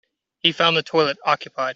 He found the toilet occupied.